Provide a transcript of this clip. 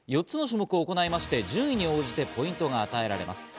４つの種目を行いまして、順位に応じてポイントが与えられます。